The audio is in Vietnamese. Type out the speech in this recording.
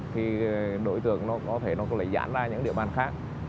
thì đối tượng có thể lấy gián ra những địa bàn khác